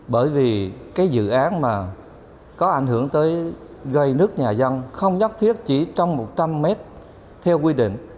bởi vì cái dự án mà có ảnh hưởng tới gây nứt nhà dân không nhất thiết chỉ trong một trăm linh mét theo quy định